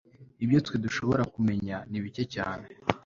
ibyo twe dushobora kumenya ni bike cyane